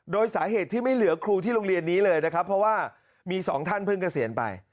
โดยสาเหตุที่ไม่เหลือครูที่โรงเรียนนี้เลยนะครับเพราะว่ามีสองท่านเพิ่งเกษียณไป